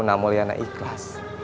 namulyana akan ketahui